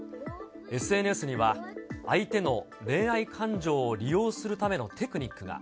ＳＮＳには、相手の恋愛感情を利用するためのテクニックが。